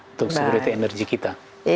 untuk security energi kita